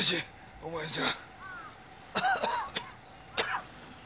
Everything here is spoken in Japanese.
お前じゃ。